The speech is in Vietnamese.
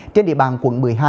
trên địa bàn quận một mươi hai